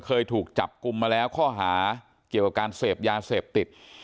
เคยถูกจับกลุ่มมาแล้วข้อหาเกี่ยวกับการเสพยาเสพติด